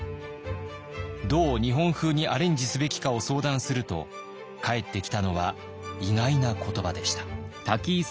どう日本風にアレンジすべきかを相談すると返ってきたのは意外な言葉でした。